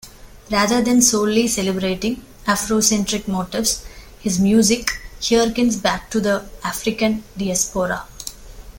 Rather than solely celebrating Afrocentric motifs, his music hearkens back to the African diaspora.